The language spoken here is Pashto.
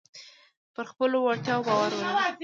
پر خپلو وړتیاو باور ولرئ.